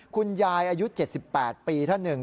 คุณยายอายุ๗๘ปีท่านหนึ่ง